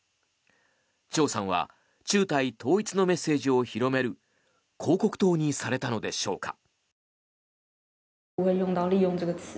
チョウさんは中台統一のメッセージを広める広告塔にされたのでしょうか。